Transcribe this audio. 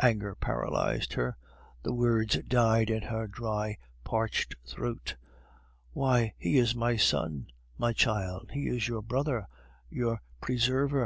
Anger paralyzed her; the words died in her dry parched throat. "Why, he is my son, my child; he is your brother, your preserver!"